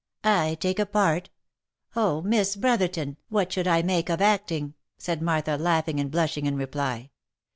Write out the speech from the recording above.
"I take a part! Oh! Miss Brotherton what should I make of acting?" said Martha, laughing and blushing, in reply.